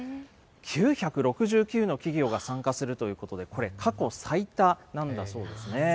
９６９の企業が参加するということで、これ、過去最多なんだそうですね。